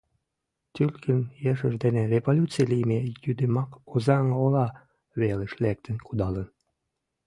Тюлькин ешыж дене революций лийме йӱдымак Озаҥ ола велыш лектын кудалын.